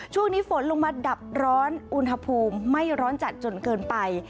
ช่วงนี้ฝนลงมาดับร้อนอุณหภูมิไม่ร้อนจัดจนเกินไป